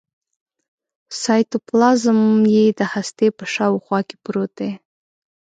سایتوپلازم یې د هستې په شاوخوا کې پروت دی.